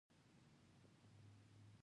چې بر کڅ سکول ته راورسېدۀ ـ